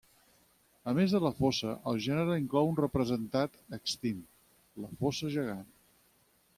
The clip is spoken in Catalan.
A més de la fossa, el gènere inclou un representat extint, la fossa gegant.